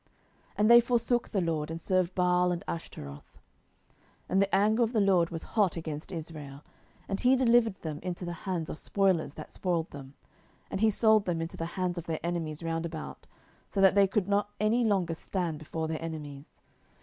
07:002:013 And they forsook the LORD, and served Baal and Ashtaroth. 07:002:014 And the anger of the LORD was hot against Israel, and he delivered them into the hands of spoilers that spoiled them, and he sold them into the hands of their enemies round about, so that they could not any longer stand before their enemies.